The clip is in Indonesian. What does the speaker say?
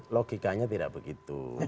logikanya tidak begitu